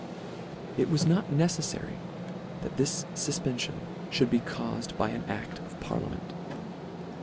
It was not necejfary that this fufpenfion mould be caufed by an act of parliament.